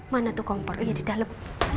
mana tuh kompor oh iya di dalam